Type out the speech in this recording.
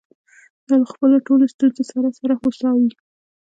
دا له خپلو ټولو ستونزو سره سره هوسا وې.